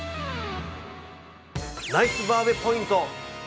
◆ナイスバーベポイント！